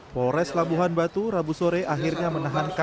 pores labuhan batu rabu sore akhirnya menahan kh